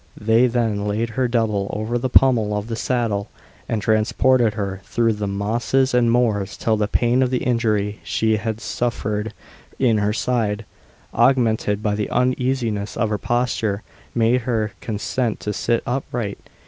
They then laid her double over the pummel of the saddle, and transported her through the mosses and moors till the pain of the injury she had suffered in her side, augmented by the uneasiness of her posture, made her consent to sit upright.